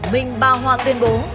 minh ba hoa tuyên bố